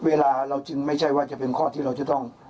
เวลาเราจึงไม่ใช่ว่าจะเป็นข้อที่เราจะต้อง